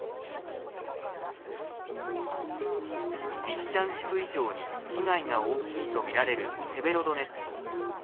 リシチャンシク以上に被害が大きいと見られるセベロドネツク。